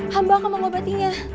hamba akan mengobatinya